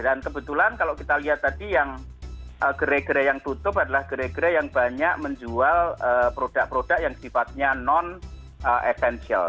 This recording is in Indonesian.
dan kebetulan kalau kita lihat tadi yang gere gere yang tutup adalah gere gere yang banyak menjual produk produk yang sifatnya non essential